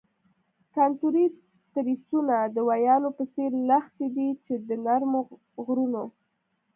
کنتوري تریسونه د ویالو په څیر لښتې دي چې د نرمو غرونو.